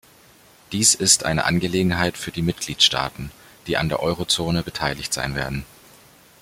Dies ist eine Angelegenheit für die Mitgliedstaaten, die an der Eurozone beteiligt sein werden.